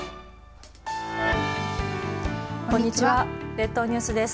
列島ニュースです。